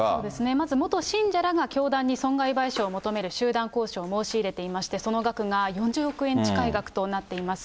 まず元信者らが教団に損害賠償を求める集団交渉を申し入れていまして、その額が４０億円近い額となっています。